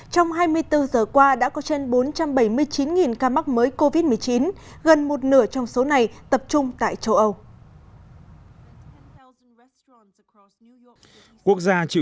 trong hai mươi bốn giờ qua đã có trên bốn trăm bảy mươi chín ca mắc mới covid một mươi chín gần một nửa trong số này tập trung tại châu âu